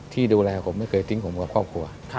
ที่ดูแลผมไม่เคยทิ้งผมกับครอบครัว